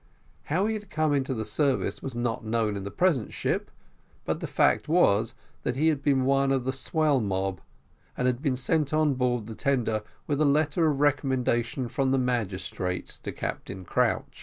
How he had come into the service was not known in the present ship, but the fact was, that he had been one of the swell mob and had been sent on board the Tender with a letter of recommendation from the magistrates to Captain Crouch.